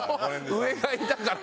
上がいたから。